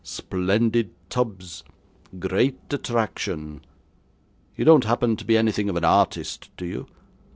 Splendid tubs! Great attraction! You don't happen to be anything of an artist, do you?